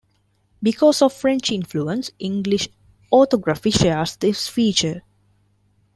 Because of French influence, English orthography shares this feature.